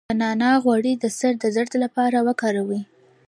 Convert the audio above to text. د نعناع غوړي د سر درد لپاره وکاروئ